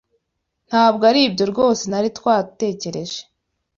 Ntabwo aribyo rwose nari twatekereje.